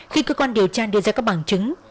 khi cơ quan điều tra đưa ra các bằng chứng